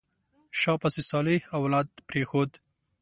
شا پسې صالح اولاد پرېښود.